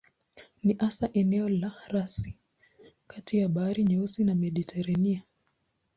Ni hasa eneo la rasi kati ya Bahari Nyeusi na Mediteranea.